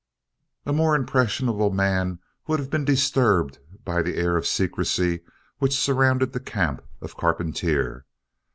A more impressionable man would have been disturbed by the air of secrecy which surrounded the camp of Carpentier.